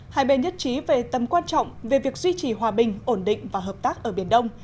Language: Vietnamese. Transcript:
hai bên nhất trí về tầm quan trọng về việc duy trì hòa bình ổn định và hợp tác ở biển đông